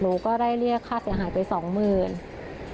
ลูกก็ได้เรียกค่าเสียหายไป๒๐๐๐๐บาท